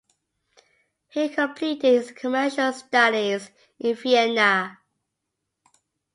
He completed his commercial studies in Vienna.